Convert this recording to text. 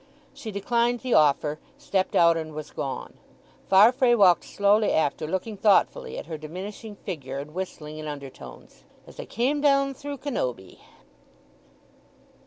She declined the offer, stepped out and was gone. Farfrae walked slowly after, looking thoughtfully at her diminishing figure, and whistling in undertones, "As I came down through Cannobie."